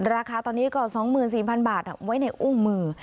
ราคาตอนนี้ก็๒๔๐๐๐บาทไว้ในอุ้งมือ